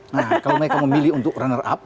nah kalau mereka memilih untuk runner up